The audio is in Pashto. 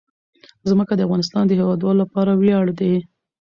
ځمکه د افغانستان د هیوادوالو لپاره ویاړ دی.